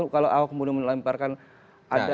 kalau ahok kemudian melemparkan ada